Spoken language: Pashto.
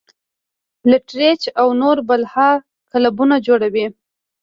لټرېچر او نور بلها کلبونه جوړ وي -